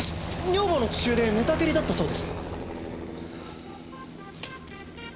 女房の父親で寝たきりだったそうです。